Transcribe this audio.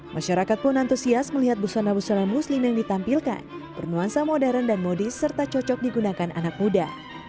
masyarakat pun antusias melihat busana busana muslim yang ditampilkan bernuansa modern dan modis serta cocok digunakan anak muda